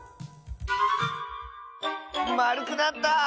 まるくなった！